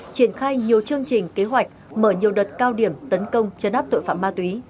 triển khai nhiều chương trình kế hoạch mở nhiều đợt cao điểm tấn công chấn áp tội phạm ma túy